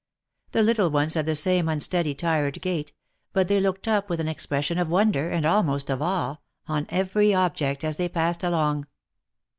The little ones had the same unsteady tired gait, but they looked up with an expression of wonder, and almost of awe, on every object as they passed along."